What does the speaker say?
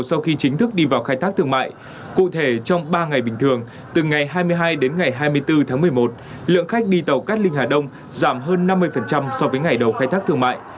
sau khi chính thức đi vào khai thác thương mại cụ thể trong ba ngày bình thường từ ngày hai mươi hai đến ngày hai mươi bốn tháng một mươi một lượng khách đi tàu cát linh hà đông giảm hơn năm mươi so với ngày đầu khai thác thương mại